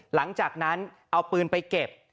หลังจากนั้นเอาปืนไปเก็บ